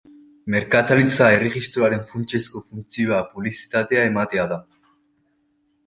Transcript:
Merkataritza erregistroaren funtsezko funtzioa publizitatea ematea da.